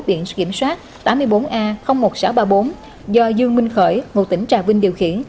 biển kiểm soát tám mươi bốn a một nghìn sáu trăm ba mươi bốn do dương minh khởi ngụ tỉnh trà vinh điều khiển